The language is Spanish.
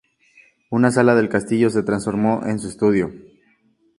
Una sala del castillo se transformó en su estudio.